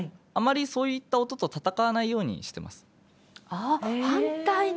あっ反対に！